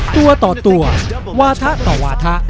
ตัวต่อตัววาทะต่อวาถะ